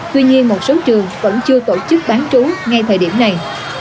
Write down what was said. tuy nhiên một số trường vẫn chưa tổ chức bán trú ngay thời điểm này